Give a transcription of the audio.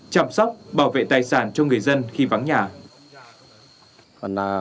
chăm sóc bảo vệ tài sản cho người dân khi vắng nhà